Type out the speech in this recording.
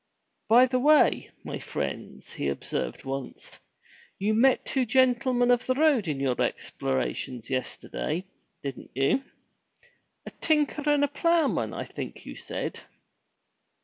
"By the way, my friends," he observed once, "you met two gentlemen of the road in your explorations yesterday, didn't you? A tinker and a ploughman, I think you said.